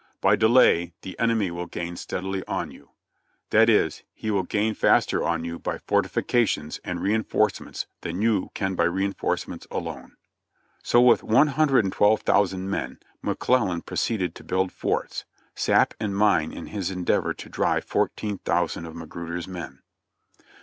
By delay the enemy will gain steadily on you; that is, he will gain faster on you by fortifications and reinforcements than you can by reinforcements alone." (Ibid, p. 18.) So with 112,000 men McClellan proceeded to build forts, sap and mine in his endeavor to drive 14,000 of Magruder 's men.